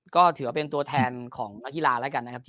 ก็ถือว่าเป็นตัวแทนของเมื่อละกิลาระกันนะครับ